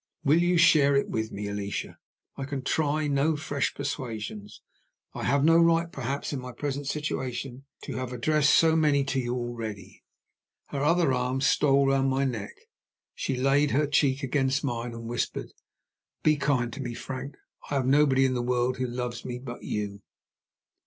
Will you share it with me, Alicia? I can try no fresh persuasions I have no right, perhaps, in my present situation to have addressed so many to you already." Her other arm stole round my neck; she laid her cheek against mine, and whispered "Be kind to me, Frank I have nobody in the world who loves me but you!"